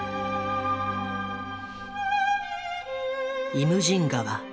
「イムジン河」。